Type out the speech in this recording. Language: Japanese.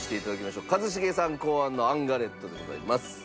一茂さん考案のあんガレットでございます。